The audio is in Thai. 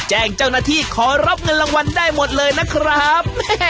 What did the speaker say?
แจ้งเจ้าหน้าที่ขอรับเงินรางวัลได้หมดเลยนะครับ